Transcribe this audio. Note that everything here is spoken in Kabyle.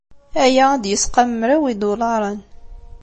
Aya ad d-yesqam mraw n yidulaṛen.